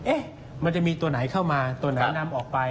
มันจะมีตัวไหนเข้ามาตัวไหนนำออกไป